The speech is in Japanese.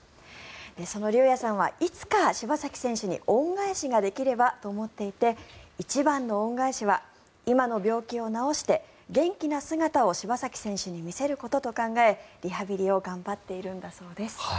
その龍弥さんはいつか柴崎選手に恩返しができればと思っていて一番の恩返しは今の病気を治して、元気な姿を柴崎選手に見せることと考えリハビリを頑張っているんだそうです。